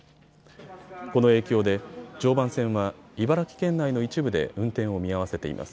この影響で常磐線は茨城県内の一部で運転を見合わせています。